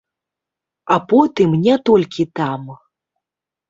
А потым не толькі там.